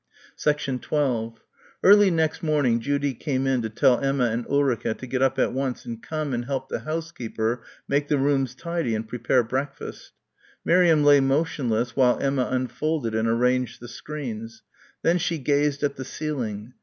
12 Early next morning Judy came in to tell Emma and Ulrica to get up at once and come and help the housekeeper make the rooms tidy and prepare breakfast. Miriam lay motionless while Emma unfolded and arranged the screens. Then she gazed at the ceiling.